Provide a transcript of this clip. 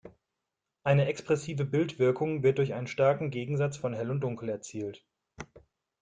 Eine expressive Bildwirkung wird durch einen starken Gegensatz von Hell und Dunkel erzielt.